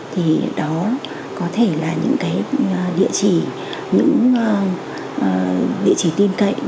thì đó có thể là những cái địa chỉ những địa chỉ tin cậy